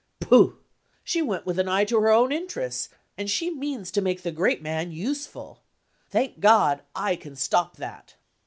Pooh! she went with an eye to her own interests; and she means to make the great man useful. Thank God, I can stop that!"